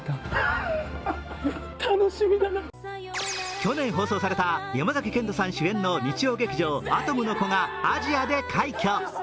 去年放送された、山崎賢人さん主演の日曜劇場「アトムの童」がアジアで快挙。